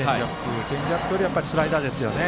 チェンジアップよりはスライダーですね。